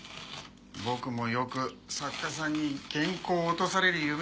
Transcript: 僕もよく作家さんに原稿を落とされる夢を見ますよ。